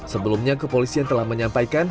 sebelumnya kepolisian telah menyampaikan